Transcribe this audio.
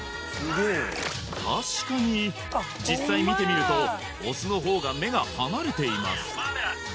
確かに実際見てみるとオスのほうが目が離れています